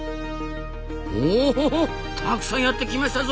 おたくさんやってきましたぞ！